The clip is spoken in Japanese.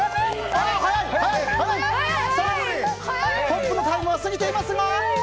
トップのタイムは過ぎていますが。